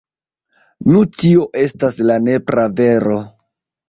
Nu tio estas la nepra vero.